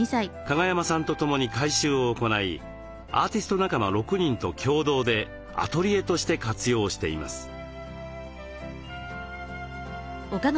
加賀山さんと共に改修を行いアーティスト仲間６人と共同でアトリエとして活用しています。